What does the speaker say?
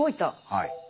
はい。